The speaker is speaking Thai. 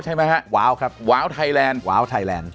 ใช่ไหมฮะว้าวครับว้าวไทยแลนด์ว้าวไทยแลนด์